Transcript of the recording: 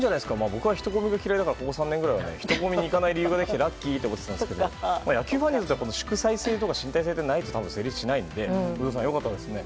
僕は人混みが嫌いなのでここ３年くらい人混みに行かない理由ができてラッキー！と思ってたんですが野球ファンって祝祭とかがないと成立しないので有働さん、良かったですね。